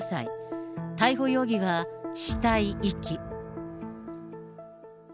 逮捕容疑は死体遺棄。